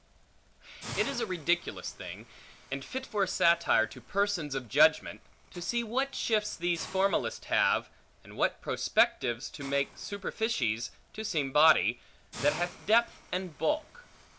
It is a ridiculous thing, and fit for a satire to persons of judgment, to see what shifts these formalists have, and what prospectives to make superficies to seem body, that hath depth and bulk.